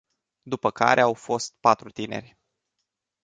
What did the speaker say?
După care au fost patru tineri.